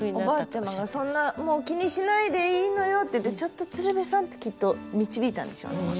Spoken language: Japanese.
おばあちゃまが「そんなもう気にしないでいいのよ」っていって「ちょっと鶴瓶さん」ってきっと導いたんでしょうね。